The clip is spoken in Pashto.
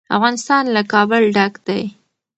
افغانستان له کابل ډک دی.